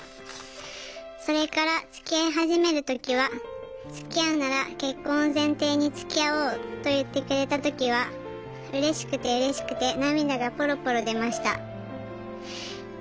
それからつきあい始める時は『つきあうなら結婚を前提につきあおう』と言ってくれた時はうれしくてうれしくて涙がぽろぽろ出ました。